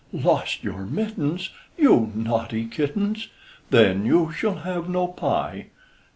Lost your mittens! You naughty kittens! Then you shall have no pie.